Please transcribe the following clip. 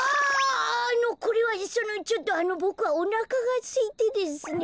あのこれはそのちょっとあのボクはおなかがすいてですね。